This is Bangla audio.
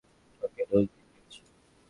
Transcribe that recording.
ওকে ডোজ দিয়ে ফেলেছো?